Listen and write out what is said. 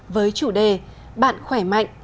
với chủ đề bạn khỏe mạnh